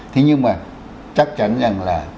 thế nhưng mà chắc chắn rằng là